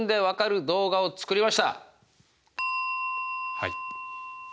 はい。